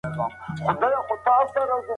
ما پرون په هدیره کي د شکر پر مانا فکر وکړی.